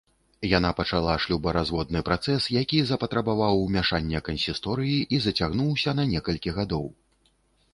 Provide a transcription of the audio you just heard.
Яна пачала шлюбаразводны працэс, які запатрабаваў ўмяшання кансісторыі і зацягнуўся на некалькі гадоў.